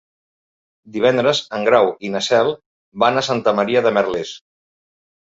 Divendres en Grau i na Cel van a Santa Maria de Merlès.